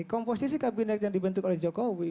komposisi kabinet yang dibentuk oleh jokowi